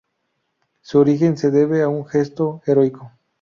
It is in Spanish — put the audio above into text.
Su origen se debe a un gesto heroico.